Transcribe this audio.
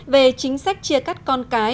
về chính sách chia cắt con cái